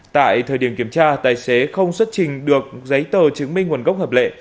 tại thời điểm kiểm tra tài xế không xuất trình được giấy tờ chứng minh nguồn gốc hợp lệ